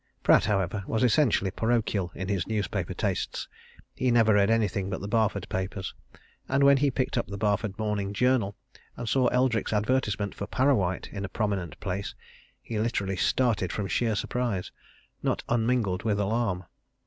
Pratt, however, was essentially parochial in his newspaper tastes he never read anything but the Barford papers. And when he picked up the Barford morning journal and saw Eldrick's advertisement for Parrawhite in a prominent place, he literally started from sheer surprise not unmingled with alarm.